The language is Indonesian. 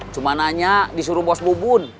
cuma nanya disuruh bos bu bun